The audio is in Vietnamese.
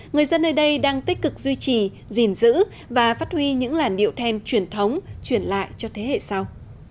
người dân nơi đây đang tích cực duy trì gìn giữ và phát huy những làn điệu then truyền thống truyền lại cho thế hệ sau